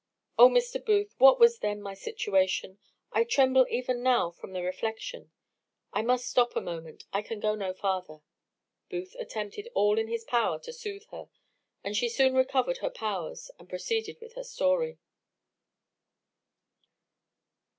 "O, Mr. Booth, what was then my situation! I tremble even now from the reflection. I must stop a moment. I can go no farther." Booth attempted all in his power to soothe her; and she soon recovered her powers, and proceeded in her story.